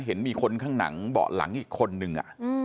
เห็นมีคนข้างหนังเบาะหลังอีกคนนึง